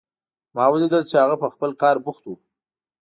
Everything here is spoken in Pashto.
ما ولیدل چې هغه په خپل کار بوخت و